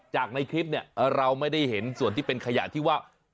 ในคลิปเนี่ยเราไม่ได้เห็นส่วนที่เป็นขยะที่ว่า